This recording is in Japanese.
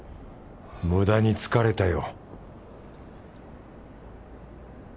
無駄に疲れたよ